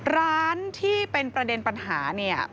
ร้านที่เป็นประเด็นปัญหาเนี่ย